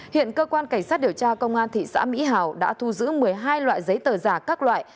hiện cơ quan cảnh sát điều tra công an thị xã mỹ hào đã thu giữ một mươi hai loại giấy tờ giả các loại